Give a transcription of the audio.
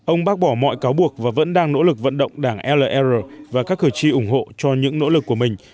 ông bác bỏ mọi cáo buộc và vẫn đang nỗ lực vận động đảng lr và các cử tri ủng hộ cho những nỗ lực của mình